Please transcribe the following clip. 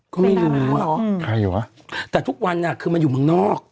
ก็ไม่รู้อ่ะใครวะแต่ทุกวันอ่ะคือมันอยู่เมืองนอก